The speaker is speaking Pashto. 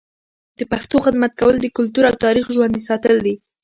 د پښتو خدمت کول د کلتور او تاریخ ژوندي ساتل دي.